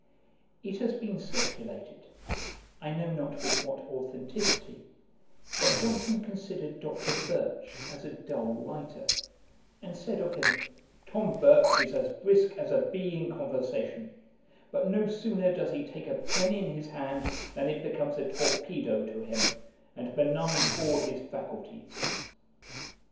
] It has been circulated, I know not with what authenticity, that Johnson considered Dr. Birch as a dull writer, and said of him, 'Tom Birch is as brisk as a bee in conversation; but no sooner does he take a pen in his hand, than it becomes a torpedo to him, and benumbs all his faculties.'